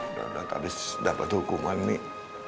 udah udah tak habis dapat hukuman nih